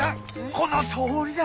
このとおりだ！